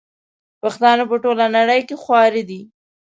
پښتانه په ټوله نړئ کي خواره دي